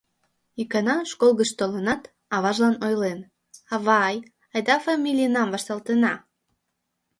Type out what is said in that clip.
Икана школ гыч толынат, аважлан ойлен: «Авай, айда фамилийнам вашталтена».